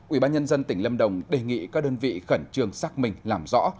ubnd tỉnh lâm đồng đề nghị các đơn vị khẩn trương xác minh làm rõ